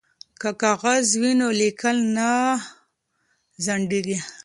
که کاغذ وي نو لیکل نه ځنډیږي.